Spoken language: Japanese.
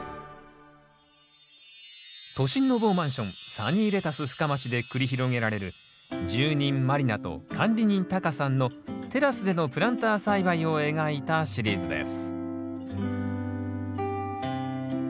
サニーレタス深町で繰り広げられる住人満里奈と管理人タカさんのテラスでのプランター栽培を描いたシリーズです